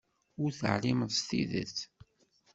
Ur teεlimeḍ s tidet.